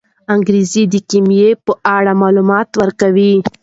انګریز د کیمیا په اړه معلومات ورکوي.